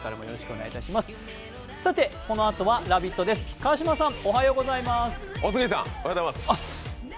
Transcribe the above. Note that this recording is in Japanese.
お杉さん、おはようございます。